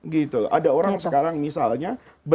gitu loh ada orang sekarang misalnya